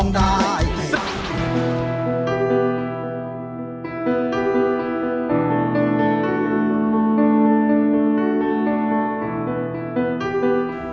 ร้องได้ให้ร้อง